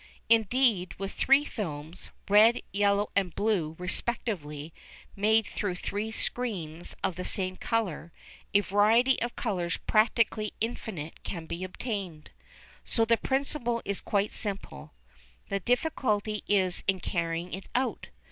Indeed, with three films, red, yellow and blue respectively, made through three screens of the same colour, a variety of colours practically infinite can be obtained. So the principle is quite simple; the difficulty is in carrying it out.